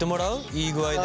いい具合で。